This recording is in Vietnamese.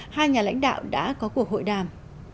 hai nhà lãnh đạo đã có cuộc hội đàm